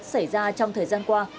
xảy ra trong thời gian qua